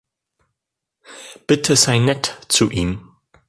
Bitte sei nett zu ihm.